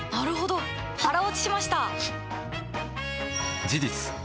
腹落ちしました！